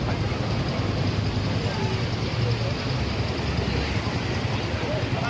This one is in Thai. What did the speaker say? มามาเอาเหล็กไป